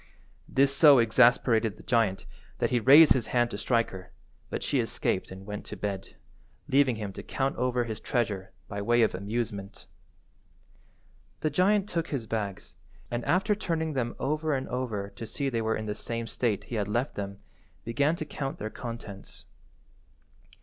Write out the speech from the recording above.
This so exasperated the giant that he raised his hand to strike her, but she escaped and went to bed, leaving him to count over his treasure by way of amusement. The giant took his bags, and after turning them over and over to see they were in the same state he had left them, began to count their contents.